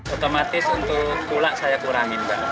otomatis untuk kulak saya kurangin bu